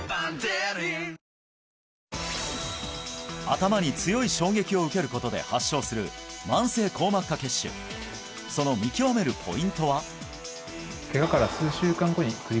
頭に強い衝撃を受けることで発症する慢性硬膜下血腫その見極めるポイントは？